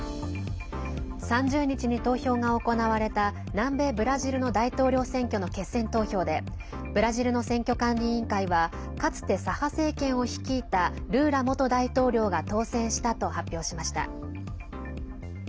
３０日に投票が行われた南米ブラジルの大統領選挙の決選投票でブラジルの選挙管理委員会はかつて左派政権を率いたルーラ元大統領が当選したと発表しました。